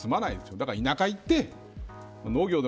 だから田舎に行って、農業でも。